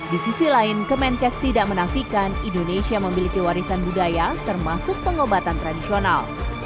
di sisi lain kemenkes tidak menafikan indonesia memiliki warisan budaya termasuk pengobatan tradisional